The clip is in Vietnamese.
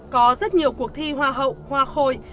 có rất nhiều cuộc thi hoa hậu hoa khôi